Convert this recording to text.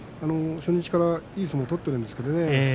初日からいい相撲取ってるんですけどね。